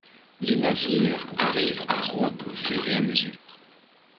Les navires arrivent à Rouen au fur et à mesure.